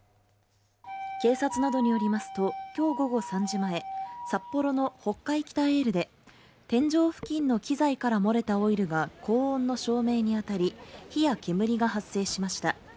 警察などによりますと、今日午後３時前、札幌の北海きたえーるで、天井付近の機材から漏れたオイルが高温の照明にあたり、火や煙が発生しました。